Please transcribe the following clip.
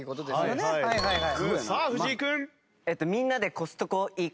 さあ藤井君。